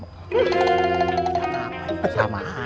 gak tau sama aja